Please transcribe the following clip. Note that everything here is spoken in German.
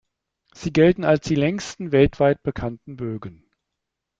Sie gelten als die längsten weltweit bekannten Bögen.